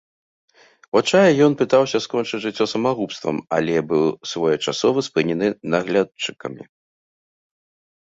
У адчаі ён пытаўся скончыць жыццё самагубствам, але быў своечасова спынены наглядчыкамі.